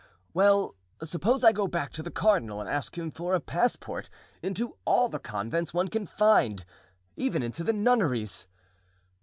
"Well, suppose I go back to the cardinal and ask him for a passport into all the convents one can find, even into the nunneries?